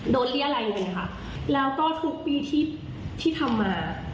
โดนเรียกอะไรกันค่ะแล้วก็ทุกปีที่ที่ทำมา